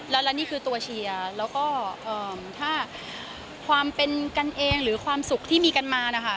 และนี่คือตัวเชียร์แล้วก็ถ้าความเป็นกันเองหรือความสุขที่มีกันมานะคะ